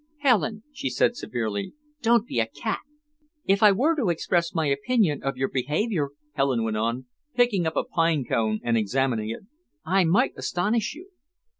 "Helen," she said severely, "don't be a cat." "If I were to express my opinion of your behaviour," Helen went on, picking up a pine cone and examining it, "I might astonish you."